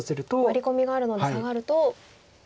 ワリコミがあるのでサガると。